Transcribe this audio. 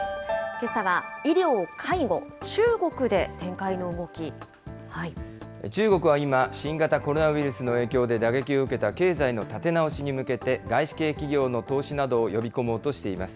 けさは、中国は今、新型コロナウイルスの影響で打撃を受けた経済の立て直しに向けて、外資系企業の投資などを呼び込もうとしています。